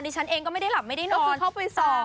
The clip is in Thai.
ฉันเองก็ไม่ได้หลับไม่ได้นอนคือเข้าไปซ้อม